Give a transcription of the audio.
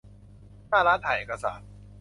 หน้าร้านถ่ายเอกสาร